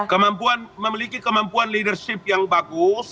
kemampuan memiliki kemampuan leadership yang bagus